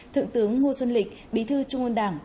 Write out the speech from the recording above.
thượng tướng ngô xuân lịch bí thư trung ương đảng